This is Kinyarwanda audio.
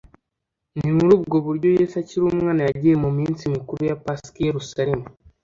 Ni muri ubwo buryo Yesu akiri umwana yagiye mu minsi mikuru ya Pasika i Yerusalemu